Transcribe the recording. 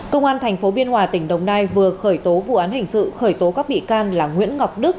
công an tp biên hòa tỉnh đồng nai vừa khởi tố vụ án hình sự khởi tố các bị can là nguyễn ngọc đức